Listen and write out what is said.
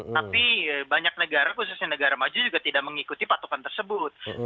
tapi banyak negara khususnya negara maju juga tidak mengikuti patokan tersebut